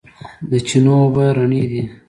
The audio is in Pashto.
د چینو اوبه رڼې دي